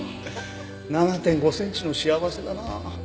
７．５センチの倖せだな。